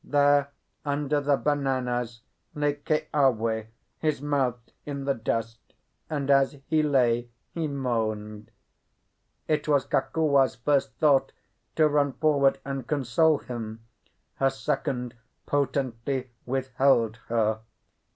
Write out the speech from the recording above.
There, under the bananas, lay Keawe, his mouth in the dust, and as he lay he moaned. It was Kokua's first thought to run forward and console him; her second potently withheld her.